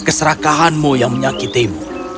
keserakahanmu yang menyakitimu